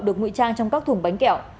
được ngụy trang trong các thùng bánh kẹo